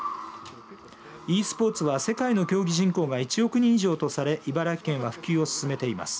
ｅスポーツは世界の競技人口が１億人以上とされ茨城県は普及を進めています。